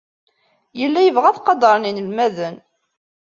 Yella yebɣa ad t-qadren yinelmaden.